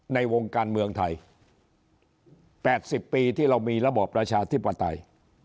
ในวงการเมืองไทย๘๐ปีที่เรามีระบอบประชาธิปไตย